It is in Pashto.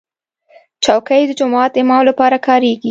چوکۍ د جومات امام لپاره کارېږي.